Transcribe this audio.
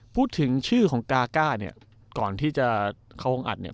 พูดถึงชื่อของกาก้าเนี่ยก่อนที่จะเข้าห้องอัดเนี่ย